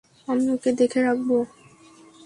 আমি ওকে দেখে রাখব!